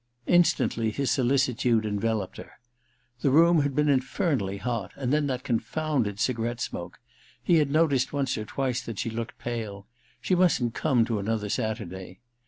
Instantly his solicitude enveloped her. The room had been infernally hot — and then that confounded cigarette smoke — he had noticed once or twice that she looked pale — she mustn't come to another Saturday.